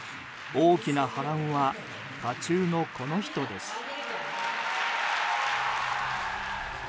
大きな波乱は渦中のこの人です。